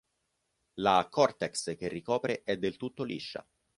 La cortex che ricopre è del tutto liscia.